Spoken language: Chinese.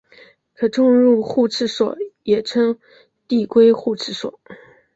可重入互斥锁也称递归互斥锁。